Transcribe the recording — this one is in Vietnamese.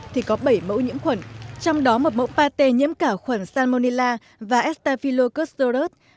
thì có bảy mẫu nhiễm khuẩn trong đó một mẫu pate nhiễm cảo khuẩn salmonella và estafilocostoros